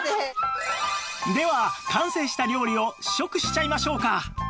では完成した料理を試食しちゃいましょうか